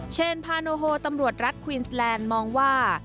เชนพาโนโฮตำรวจรัฐควีนสแลนด์มองว่า